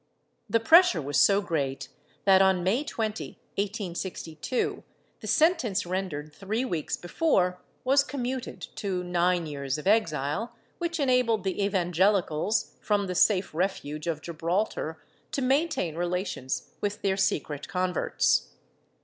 The pressure was so great that, on May 20, 1862, the sentence rendered three weeks before was commuted to nine years' of exile, which ena])led the Evangelicals, from the safe refuge of Gibraltar, to maintain rela tions with their secret converts.